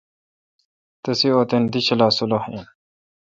تسے° وطن دی ڄھلا سلُوخ این۔